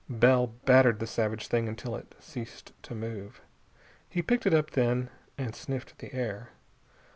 Bell battered the savage thing until it ceased to move. He picked it up, then, and sniffed the air.